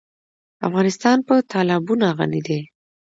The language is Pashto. افغانستان په تالابونه غني دی.